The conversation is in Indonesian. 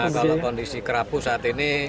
kalau kondisi kerapu saat ini